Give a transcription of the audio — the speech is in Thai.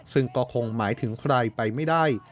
ซึ่งก็คงหมายถึงใครไปไม่ได้